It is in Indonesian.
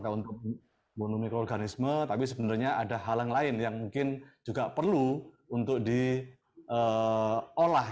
untuk monomikroorganisme tapi sebenarnya ada hal yang lain yang mungkin juga perlu untuk diolah